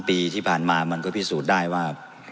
ปีที่ผ่านมามันก็พิสูจน์ได้ว่า